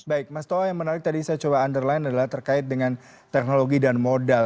baik mas toa yang menarik tadi saya coba underline adalah terkait dengan teknologi dan modal